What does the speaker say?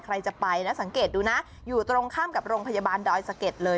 ใครจะไปนะสังเกตดูนะอยู่ตรงข้ามกับโรงพยาบาลดอยสะเก็ดเลย